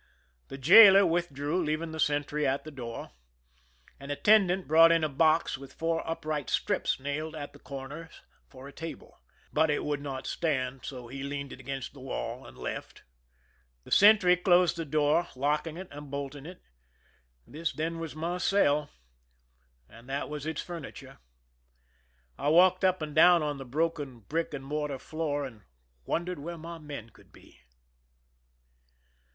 The jailer withdrew, leaving the sentry at the door. An attendant brought in a box with four upright strips nailed at the corners for a table ; but it would not stand, so he leaned it against the wall, and left. The sentry closed the door, locking and bolting it. This, then, was my cell, and that was its furni ture. I ^v^alked up and down on the broken brick and mortar floor, and wondered where my men could be.